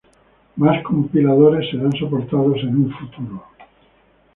Más compiladores serán soportados en un futuro.